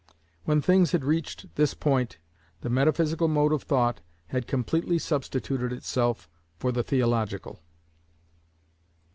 When things had reached this point, the metaphysical mode of thought, had completely substituted itself for the theological.